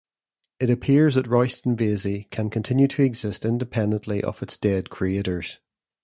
It appears that Royston Vasey can continue to exist independently of its dead creators.